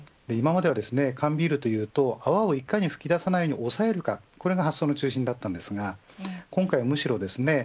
今までは缶ビールというと泡をいかに噴き出さないように抑えるかこれが発想の中心だったんですが今回はむしろですね